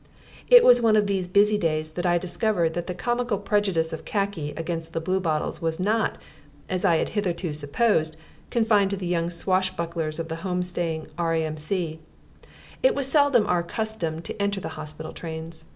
It was on one of these busy days that I discovered that the comical prejudice of khaki against the Bluebottles was not (as I had hitherto supposed) confined to the young swashbucklers of the home staying R.A.M.C. It was seldom our custom to enter the hospital trains.